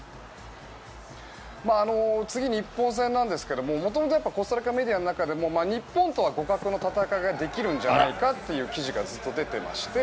次、日本戦なんですが元々コスタリカメディアの中でも日本とは互角の戦いができるんじゃないかという記事がずっと出ていまして